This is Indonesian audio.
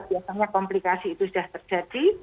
biasanya komplikasi itu sudah terjadi